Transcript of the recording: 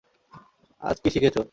আজ কি শিখেছো?